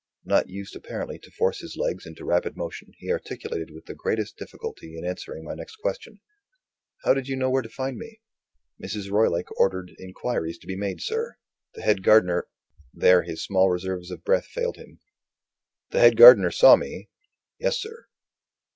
Not used apparently to force his legs into rapid motion, he articulated with the greatest difficulty in answering my next question: "How did you know where to find me?" "Mrs. Roylake ordered inquiries to be made, sir. The head gardener " There his small reserves of breath failed him. "The head gardener saw me?" "Yes, sir."